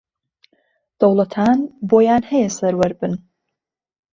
دەوڵەتان بۆیان ھەیە سەروەر بن